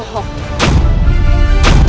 dasar kau ulang pembohong